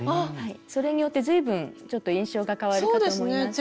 それによって随分ちょっと印象が変わるかと思います。